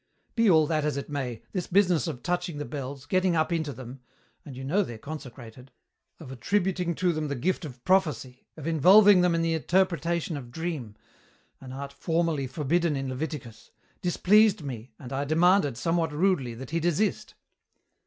"Be all that as it may, this business of touching the bells, getting up into them and you know they're consecrated of attributing to them the gift of prophecy, of involving them in the interpretation of dream an art formally forbidden in Leviticus displeased me, and I demanded, somewhat rudely, that he desist."